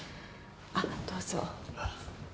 あっどうぞ。